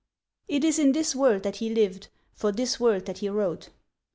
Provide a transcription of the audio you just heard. _ It is in this world that he lived, for this world that he wrote.